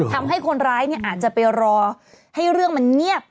ทำให้คนร้ายอาจจะไปรอให้เรื่องมันเงียบ